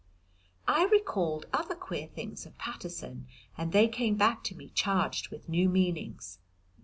I recalled other queer things of Paterson, and they came back to me charged with new meanings.